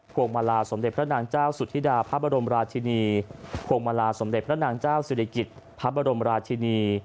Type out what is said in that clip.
พวงมาลาสมเด็จพระนางเจ้าสุธิดาพระบรมราชทินี